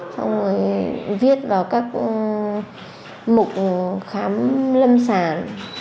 xong rồi viết vào các mục khám lâm sản